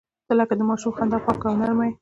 • ته لکه د ماشوم خندا پاکه او نرمه یې.